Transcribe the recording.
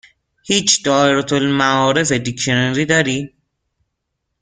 هیچ دائره المعارف دیکشنری دارید؟